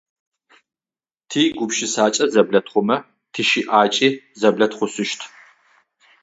ТигупшысакӀэ зэблэтхъумэ тищыӀакӀи зэблэтхъушъущт.